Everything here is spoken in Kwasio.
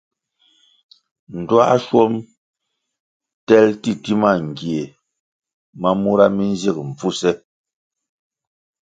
Ndtuāschwom tel titima ngie ma mura mi nzig mpfuse.